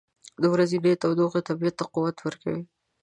• د ورځې تودوخه طبیعت ته قوت ورکوي.